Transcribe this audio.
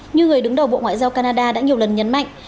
như người đứng đầu bộ ngoại giao canada đã nhiều lần nhấn mạnh